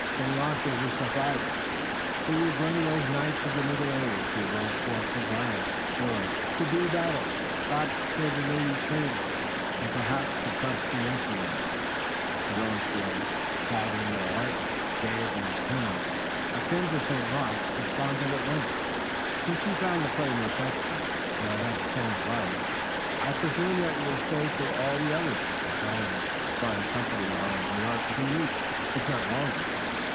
St. Luc was a survival. He was one of those knights of the Middle Ages who rode forth with lance and sword to do battle, perhaps for a lady's favor, and perhaps to crush the infidel. His own spirit, which had in it a lightness, a gayety and a humor akin to St. Luc's, responded at once. "Since you found the play most excellent, and I had the same delight, I presume that you will stay for all the others. Mr. Hallam and his fine company are in New York for two weeks, if not longer.